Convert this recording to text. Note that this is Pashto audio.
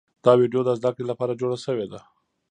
دا ویډیو د زده کړې لپاره جوړه شوې ده.